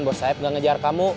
bos saeb gak ngejar kamu